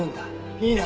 いいな？